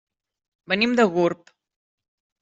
Venim de Gurb.